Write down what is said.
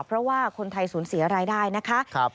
เพราะว่าคนไทยศูนย์เสียรายได้นะคะครับ